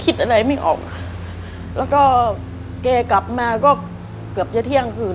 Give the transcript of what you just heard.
คิดอะไรไม่ออกแล้วก็แกกลับมาก็เกือบจะเที่ยงคืน